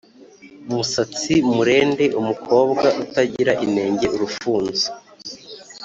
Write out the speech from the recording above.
Musatsi murende umukobwa utagira inenge-Urufunzo.